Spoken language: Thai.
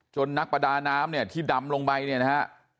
นักประดาน้ำเนี่ยที่ดำลงไปเนี่ยนะฮะ